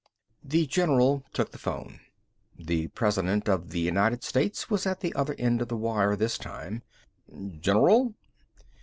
The general took the phone. The President of the United States was at the other end of the wire, this time. "General?"